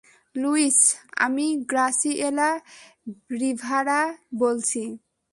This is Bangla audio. লুইস, আমি গ্রাসিয়েলা রিভারা বলছি।